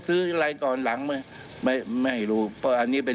ซื้ออะไรตอนหลังไหมไม่ไม่รู้เพราะอันนี้เป็น